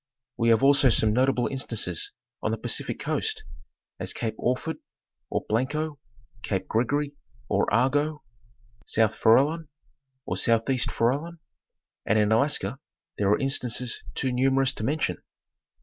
We have also some notable instances on the Pacific coast, as "Cape Orford " or " Blanco ;"" Cape Gregory " or " Arago ;" "South Farallon" or "Southeast Farallon ;" and in Alaska there are instances too numerous to mention.